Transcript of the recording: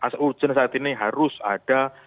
di urusan saat ini harus ada